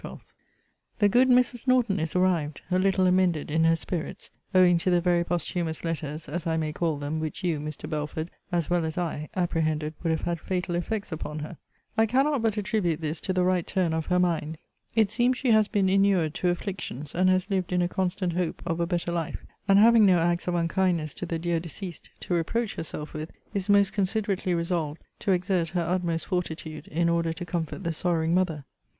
12. The good Mrs. Norton is arrived, a little amended in her spirits; owing to the very posthumous letters, as I may call them, which you, Mr. Belford, as well as I, apprehended would have had fatal effects upon her. I cannot but attribute this to the right turn of her mind. It seems she has been inured to afflictions; and has lived in a constant hope of a better life; and, having no acts of unkindness to the dear deceased to reproach herself with, is most considerately resolved to exert her utmost fortitude in order to comfort the sorrowing mother.